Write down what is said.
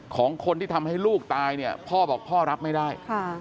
ของคนที่ทำให้ลูกตายเนี่ยพ่อบอกพ่อรับไม่ได้